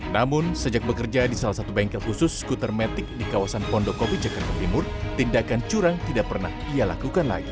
namun sejak bekerja di salah satu bengkel khusus skuter metik di kawasan pondokopi jakarta timur tindakan curang tidak pernah ia lakukan lagi